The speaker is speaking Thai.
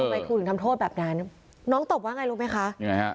ทำไมครูถึงทำโทษแบบนั้นน้องตอบว่าไงรู้มั้ยคะยังไงค่ะ